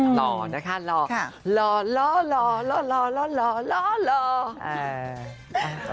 หล่อนะครับหล่อหล่อหล่อหล่อหลืมไปเลย